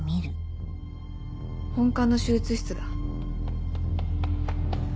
本館の手術室だ。